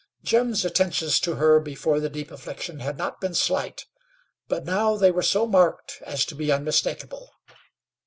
Jim's attentions to her before the deep affliction had not been slight, but now they were so marked as to be unmistakable.